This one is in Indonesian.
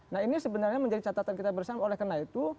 nah ini sebenarnya menjadi catatan kita bersama oleh karena itu